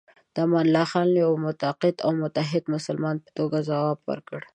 امان الله خان د یوه معتقد او متعهد مسلمان په توګه ځواب ورکړ.